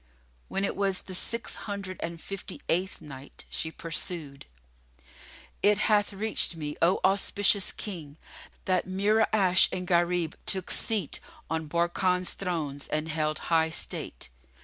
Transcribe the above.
When it was the Six Hundred and Fifty eighth Night, She pursued, It hath reached me, O auspicious King, that Mura'ash and Gharib took seat on Barkan's thrones and held high state.